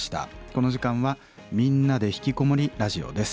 この時間は「みんなでひきこもりラジオ」です。